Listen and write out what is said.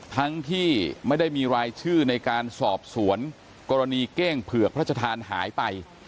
ทั้งที่ไม่ได้มีรายชื่อในการสอบสวนกรณีเก้งเผือกพระชธานหายไป